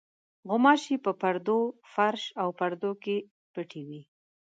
غوماشې په پردو، فرش او پردو کې پټې وي.